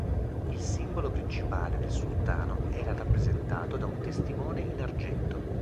Il simbolo principale del Sultano era rappresentato da un testimone in argento.